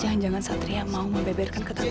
jangan jangan satria mau mebeberkan ke tante ini